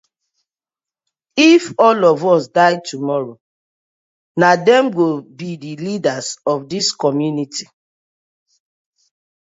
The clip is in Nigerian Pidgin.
If all of us die tomorrow, na dem go bi the leaders of dis community.